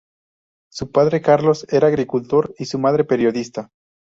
Su padre Carlos, era agricultor y su madre periodista.